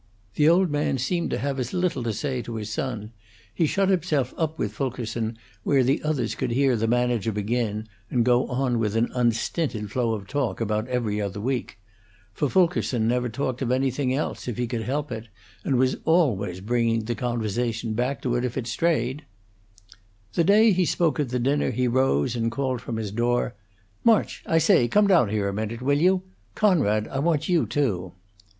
The old man seemed to have as little to say to his son; he shut himself up with Fulkerson, where the others could hear the manager begin and go on with an unstinted flow of talk about 'Every Other Week;' for Fulkerson never talked of anything else if he could help it, and was always bringing the conversation back to it if it strayed: The day he spoke of the dinner he rose and called from his door: "March, I say, come down here a minute, will you? Conrad, I want you, too."